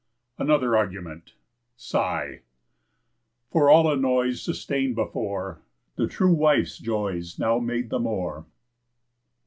ANOTHER ARGUMENT Ψι̑. For all annoys Sustain'd before, The true wife's joys Now made the more.